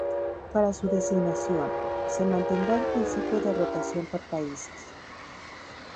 Para su designación, se mantendrá el principio de rotación por países.